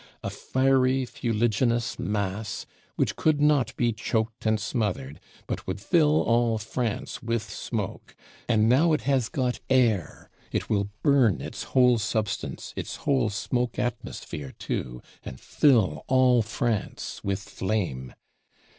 A fiery, fuliginous mass, which could not be choked and smothered, but would fill all France with smoke! And now it has got air; it will burn its whole substance, its whole smoke atmosphere too, and fill all France with flame.